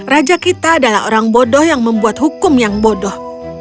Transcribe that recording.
raja kita adalah orang bodoh yang membuat hukum yang bodoh